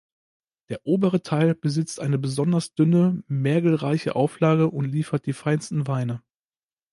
Der obere Teil besitzt eine besonders dünne, mergelreiche Auflage und liefert die feinsten Weine.